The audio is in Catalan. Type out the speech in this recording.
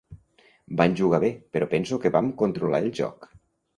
Van jugar bé, però penso que vam controlar el joc.